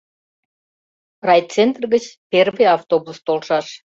Райцентр гыч первый автобус толшаш.